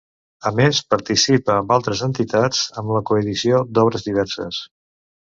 A més, participa amb altres entitats en la coedició d'obres diverses.